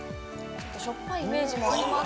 しょっぱいイメージあります。